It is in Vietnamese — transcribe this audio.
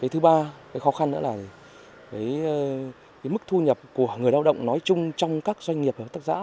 thứ ba khó khăn nữa là mức thu nhập của người lao động nói chung trong các doanh nghiệp và hợp tác xã